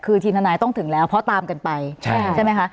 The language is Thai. คือทีมทนายต้องถึงแล้วเพราะตามกันไปใช่ไหมคะ